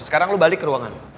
sekarang lo balik ke ruangan